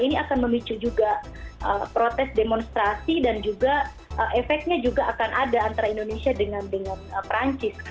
ini akan memicu juga protes demonstrasi dan juga efeknya juga akan ada antara indonesia dengan perancis